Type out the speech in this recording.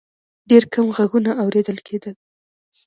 ډېر کم غږونه اورېدل کېدل.